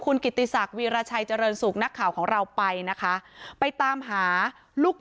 คุณกิติศักดิราชัยเจริญสุขนักข่าวของเราไปนะคะไปตามหาลูก